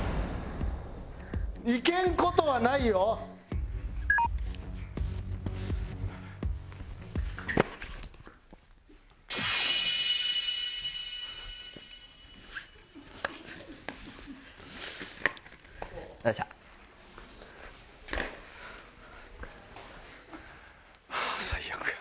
いけん事はないよ。はあ最悪や。